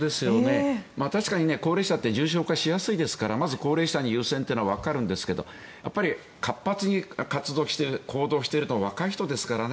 確かに高齢者って重症化しやすいですからまず高齢者に優先っていうのはわかるんですがやっぱり活発に活動して行動しているのは若い人ですからね。